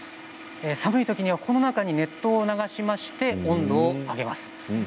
寒いときにはこの中に熱湯を流しまして温度を上げます。